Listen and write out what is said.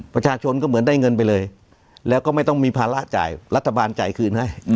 ประชาชนก็เหมือนได้เงินไปเลยแล้วก็ไม่ต้องมีภาระจ่ายรัฐบาลจ่ายคืนให้